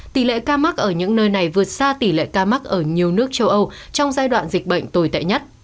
tỷ lệ ca mắc ở những nơi này vượt xa tỷ lệ ca mắc ở nhiều nước châu âu trong giai đoạn dịch bệnh tồi tệ nhất